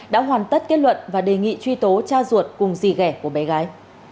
đã hoàn tất kết luận và đề nghị truy tố cha ruột cùng dì ghẻ của bé gái